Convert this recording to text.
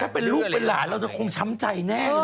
ถ้าเป็นลูกเป็นหลานเราจะคงช้ำใจแน่เลย